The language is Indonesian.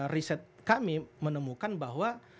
riset kami menemukan bahwa